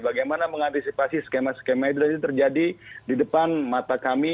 bagaimana mengantisipasi skema skema itu terjadi di depan mata kami